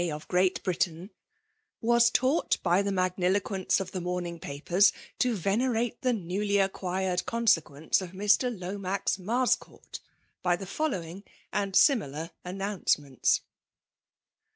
of Greiit Britain^ was taught by the uiagnilo qoenoe of the morning' papers to venerate the oenvly^'acqtrired consequence of Mr. Lbmai lAarscourt, by the following and similar an^ aonacemcnts.